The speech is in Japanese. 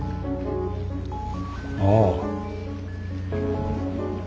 ああ。